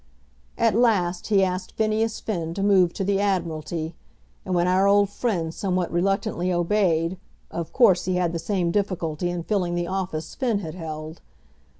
At last he asked Phineas Finn to move to the Admiralty, and, when our old friend somewhat reluctantly obeyed, of course he had the same difficulty in filling the office Finn had held.